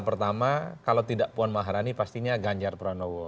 pertama kalau tidak puan maharani pastinya ganjar pranowo